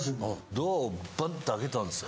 ドアをバッて開けたんですよ。